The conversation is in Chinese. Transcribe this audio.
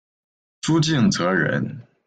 朱敬则人。